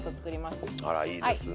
あらいいですね。